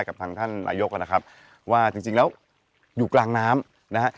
กับทางท่านนายกนะครับว่าจริงแล้วอยู่กลางน้ำนะฮะ